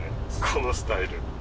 このスタイル。